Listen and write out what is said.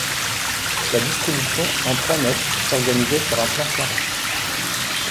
La distribution en trois nefs s'organisait sur un plan carré.